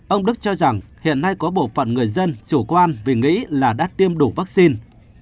ông đức cho rằng hiện nay có bộ phận người dân chủ quan vì nghĩ là đã tiêm đủ vaccine